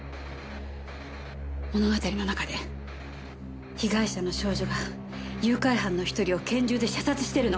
物語の中で被害者の少女が誘拐犯の一人を拳銃で射殺してるの。